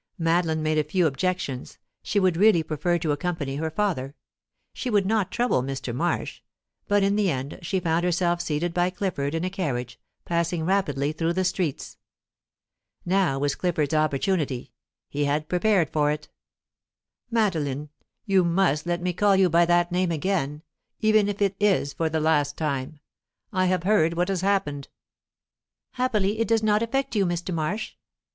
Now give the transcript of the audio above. Madeline made a few objections she would really prefer to accompany her father; she would not trouble Mr. Marsh but in the end she found herself seated by Clifford in a carriage, passing rapidly through the streets. Now was Clifford's opportunity; he had prepared for it. "Madeline you must let me call you by that name again, even if it is for the last time I have heard what has happened." "Happily it does not affect you, Mr. Marsh."